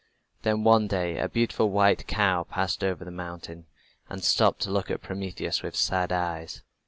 Then one day a beautiful white cow passed over the mountain, and stopped to look at Prometheus with sad eyes.